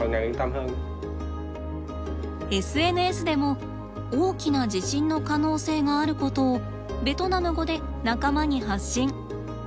ＳＮＳでも大きな地震の可能性があることをベトナム語で仲間に発信。